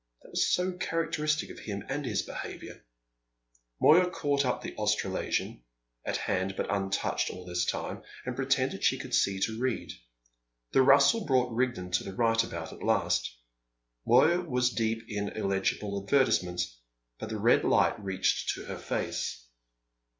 That was so characteristic of him and his behaviour! Moya caught up the Australasian (at hand but untouched all this time) and pretended she could see to read. The rustle brought Rigden to the right about at last. Moya was deep in illegible advertisements. But the red light reached to her face.